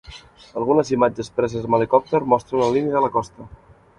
Algunes imatges, preses amb helicòpter, mostren la línia de la costa.